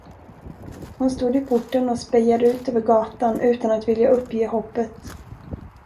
Hon stod i porten och spejade ut över gatan utan att vilja uppge hoppet.